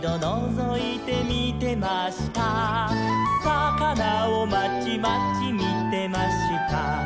「さかなをまちまちみてました」